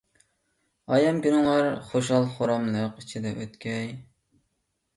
ئايەم كۈنلىرىڭلار خۇشال-خۇراملىق ئىچىدە ئۆتكەي!